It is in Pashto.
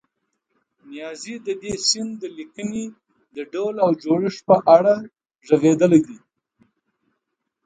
نیازی د دې سیند د لیکنې د ډول او جوړښت په اړه غږېدلی دی.